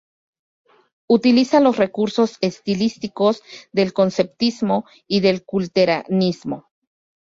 Utiliza los recursos estilísticos del conceptismo y del culteranismo.